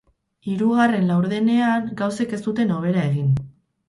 Hirugarren laurdenean gauzek ez zuten hobera egin.